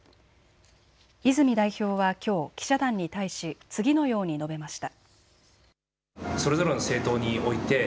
泉代表はきょう記者団に対し次のように述べました。